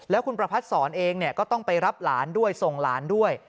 แล้วคุณประพัทธ์สอนเองก็ต้องไปรับหลานด้วยส่งหลานด้วย